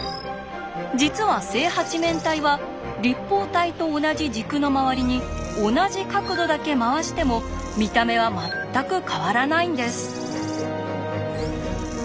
実は正八面体は立方体と同じ軸の周りに同じ角度だけ回しても見た目は全く変わらないんです。